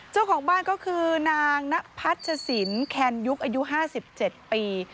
เจ้าของบ้านก็คือนางนพัชสินแคนยุคอายุ๕๗ปี